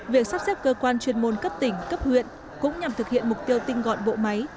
việc sắp xếp cơ quan chuyên môn cấp tỉnh cấp huyện cũng nhằm thực hiện mục tiêu tinh gọn bộ máy